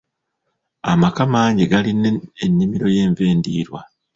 Amaka mangi galina ennimiro y'enva endiirwa.